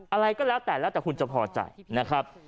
อะไรก็แล้วแต่แล้วแต่คุณจะพอใจนะครับ